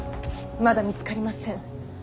まだ見つかりません。